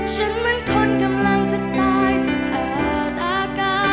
ฉันเหมือนคนกำลังจะตายจนเกิดอาการ